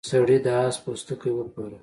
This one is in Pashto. سړي د اس پوستکی وپلوره.